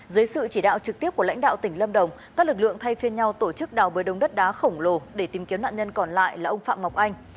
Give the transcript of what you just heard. dưới sự chỉ đạo trực tiếp của lãnh đạo tỉnh lâm đồng các lực lượng thay phiên nhau tổ chức đào bơi đống đất đá khổng lồ để tìm kiếm nạn nhân còn lại là ông phạm ngọc anh